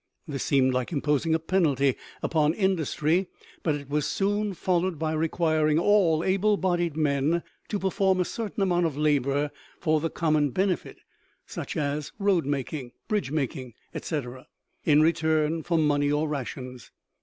This seemed like imposing a penalty upon industry; but it was soon followed by requiring all able bodied men to perform a certain amount of labor for the common benefit, such as road making, bridge building, etc., in return for money or rations.